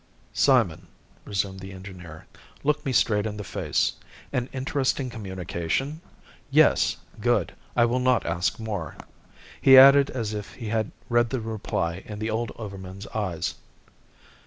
"Simon," resumed the engineer, "look me straight in the face. An interesting communication? Yes. Good! I will not ask more," he added, as if he had read the reply in the old overman's eyes.